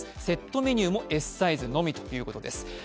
セットメニューもＳサイズのみということです。